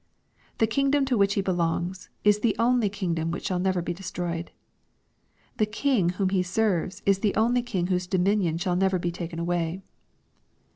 The kingdom to which he belongs, is the only kingdom which shall never be destroyed. The King whom he serves, is the only King whose dominion shall never be taken away.